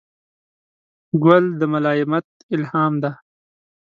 ګل د ملایمت الهام دی.